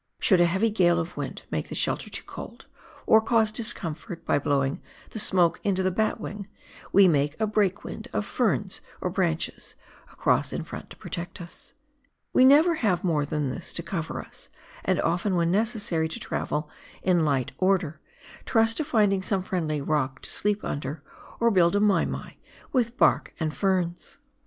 Should a heavy gale of wind make the shelter too cold, or cause discomfort by blowing the smoke into the batwing, we make a "breakwind" of ferns or branches across in front to protect us. We never have more than this to cover us, and often when necessary to travel in " light order " trust to finding some friendly rock to sleep under, or build a " mai mai " with bark and ferns.